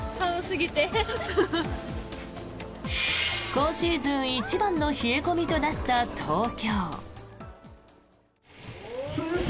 今シーズン一番の冷え込みとなった東京。